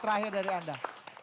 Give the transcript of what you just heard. terakhir dari anda